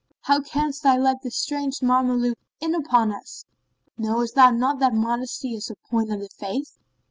How canst thou let this strange Mameluke in upon us? Knowest thou not that modesty is a point of the Faith?"